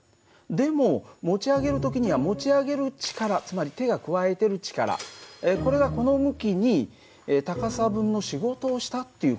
でも持ち上げる時には持ち上げる力つまり手が加えてる力これがこの向きに高さの分の仕事をしたっていう事はいえるんだね。